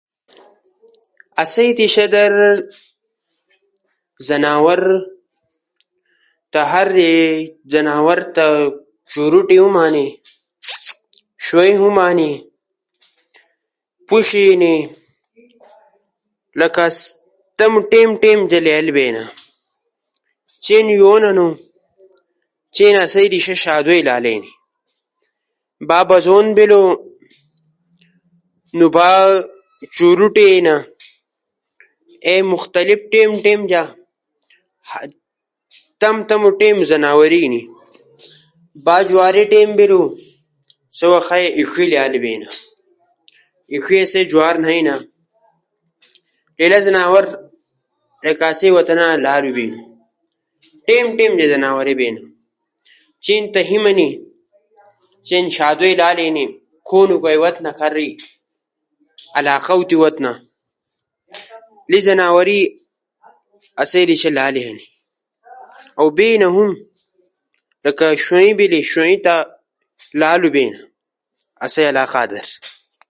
آسئی دیشا در زناور تا ہر قسم ہنی، شروٹی ہم ہنی شوئے ہم ہنی، پوشے ہنی، لکہ ٹیم ٹیم جے لالو زناوراینا۔ چین لون ہنو، چین آسوئے دیشا شادوئے لالے اینی۔ با بجون بیلو، با چوروٹے اینا، اے مختلف ٹیم ٹیم جا تمو تمو ٹیم زناورے اینی۔